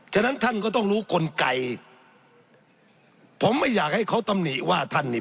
ฉะนั้นท่านก็ต้องรู้กลไกผมไม่อยากให้เขาตำหนิว่าท่านนี่